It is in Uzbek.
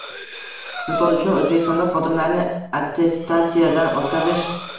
Misol uchun, O‘zbekistonda xodimlarni attestatsiyadan o‘tkazish